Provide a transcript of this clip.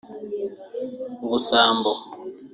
ubusambo